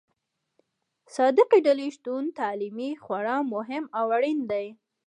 صادقې ډلې شتون تعلیمي خورا مهم او اړين دي.